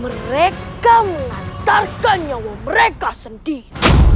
mereka mengantarkan nyawa mereka sedih